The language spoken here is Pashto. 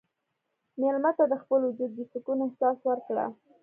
مېلمه ته د خپل وجود د سکون احساس ورکړه.